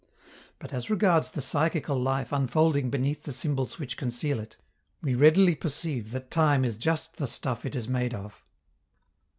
But, as regards the psychical life unfolding beneath the symbols which conceal it, we readily perceive that time is just the stuff it is made of.